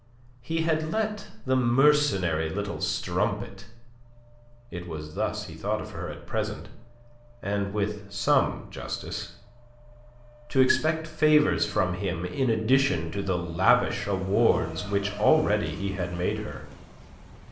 He had led the mercenary little strumpet it was thus he thought of her at present, and with some justice to expect favours from him in addition to the lavish awards which already he had made her.